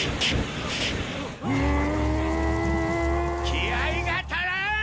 気合が足らん！